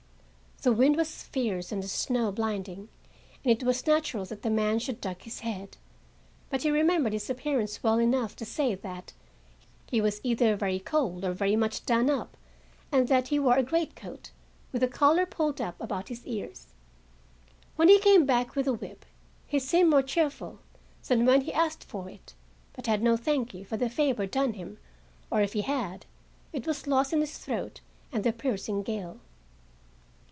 The wind was fierce and the snow blinding, and it was natural that the man should duck his head, but he remembered his appearance well enough to say that he was either very cold or very much done up and that he wore a greatcoat with the collar pulled up about his ears. When he came back with the whip he seemed more cheerful than when he asked for it, but had no "thank you" for the favor done him, or if he had, it was lost in his throat and the piercing gale.